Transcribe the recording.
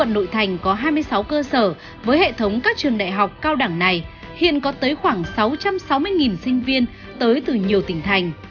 nội thành có hai mươi sáu cơ sở với hệ thống các trường đại học cao đẳng này hiện có tới khoảng sáu trăm sáu mươi sinh viên tới từ nhiều tỉnh thành